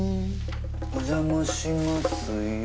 お邪魔しますよ。